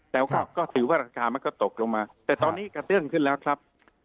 แต่ว่าก็ถือว่าราคามันก็ตกลงมาแต่ตอนนี้กระเตื้องขึ้นแล้วครับ